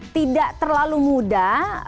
tidak terlalu muda